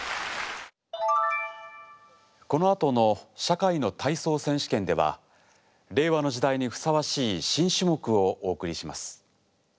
このあとの「社会の体操選手権」では令和の時代にふさわしい新種目をお送りします。